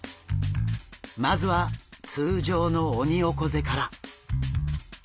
まずは通常のオニオコゼから。